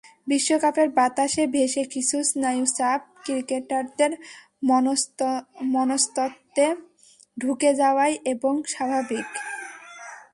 বিশ্বকাপের বাতাসে ভেসে কিছু স্নায়ুচাপ ক্রিকেটারদের মনস্তত্ত্বে ঢুকে যাওয়াই বরং স্বাভাবিক।